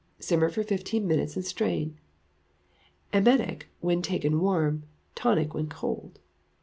Simmer for fifteen minutes and strain. Emetic when taken warm; tonic when cold.